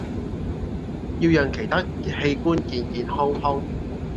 要讓其他器官健健康康